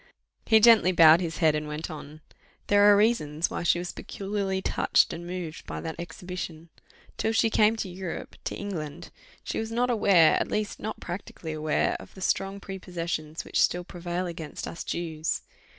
He gently bowed his head and went on. "There are reasons why she was peculiarly touched and moved by that exhibition. Till she came to Europe to England she was not aware, at least not practically aware, of the strong prepossessions which still prevail against us Jews."